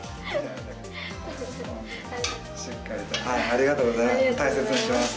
ありがとうございます。